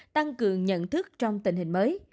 tăng cường nhận thức trong tình hình mới